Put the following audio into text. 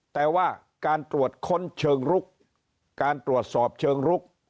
แต่ว่าการตรวจค้นเชิงลุกการตรวจสอบเชิงลุก